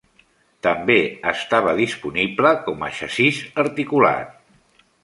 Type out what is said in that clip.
També estava disponible com a xassís articulat.